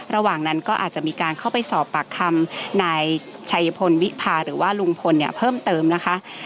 ระหว่างนั้นก็อาจจะมีการเข้าไปสอบปากคำนายชัยพลวิพาหรือว่าลุงพลเนี่ยเพิ่มเติมนะคะ